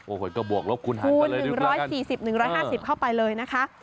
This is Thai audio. โอ้โฮก็บวกลบคุณฮันไปเลยดูกันคูณ๑๔๐๑๕๐บาทเข้าไปเลยนะคะ